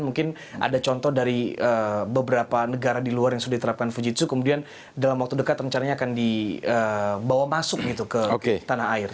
mungkin ada contoh dari beberapa negara di luar yang sudah diterapkan fujitsu kemudian dalam waktu dekat rencananya akan dibawa masuk gitu ke tanah air